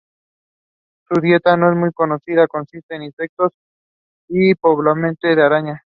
Su dieta no es muy conocida, consiste de insectos y probablemente de arañas.